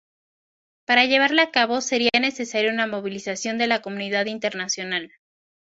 Para llevarla a cabo sería necesario una movilización de la comunidad internacional.